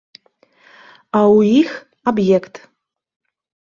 А ў іх аб'ект.